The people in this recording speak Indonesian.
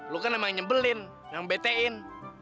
lo kan emang yang nyebelin yang betein